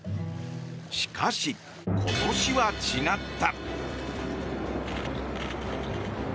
しかし、今年は違った。